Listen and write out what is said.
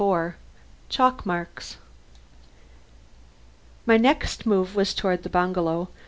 IV CHALK MARKS My next move was toward the bungalow.